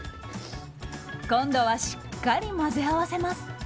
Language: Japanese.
今度はしっかり混ぜ合わせます。